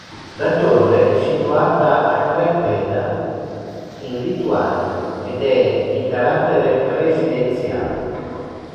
La torre è situata a Klaipėda, in Lituania, ed è di carattere residenziale.